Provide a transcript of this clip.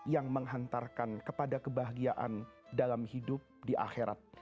yang menghantarkan kepada kebahagiaan dalam hidup di akhirat